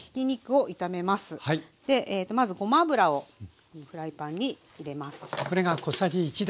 まずごま油をフライパンに入れます。